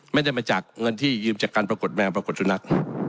ไม่ได้มาจากเงินที่ยืมจากการปรากฏแมวปรากฏสุนัข